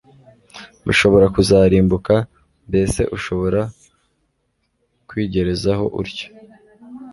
bashobora kuzarimbuka. mbese ushobora kwigerezaho utyo